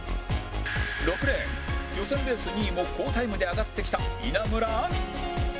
６レーン予選レース２位も好タイムで上がってきた稲村亜美